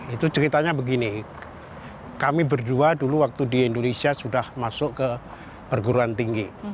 itu ceritanya begini kami berdua dulu waktu di indonesia sudah masuk ke perguruan tinggi